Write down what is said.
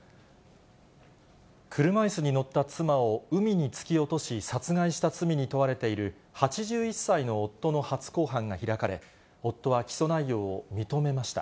車いすに乗った妻を海に突き落とし殺害した罪に問われている、８１歳の夫の初公判が開かれ、夫は起訴内容を認めました。